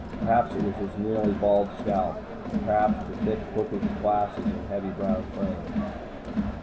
Perhaps it was his nearly bald scalp, perhaps the thick, bookish glasses in heavy brown frames.